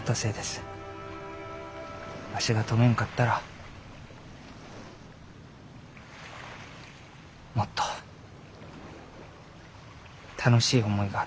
わしが止めんかったらもっと楽しい思いがあったでしょう。